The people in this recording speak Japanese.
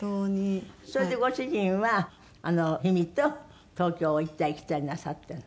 それでご主人は氷見と東京を行ったり来たりなさってるの？